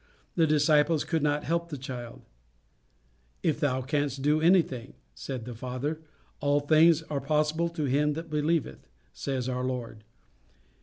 The disciples could not help the child: "If thou canst do anything," said the father. "All things are possible to him that believeth," says our Lord.